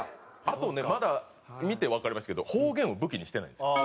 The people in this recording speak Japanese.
あとねまだ見てわかりますけど方言を武器にしてないんですよ。